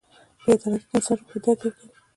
• بې عدالتي د انسان روح ته درد ورکوي.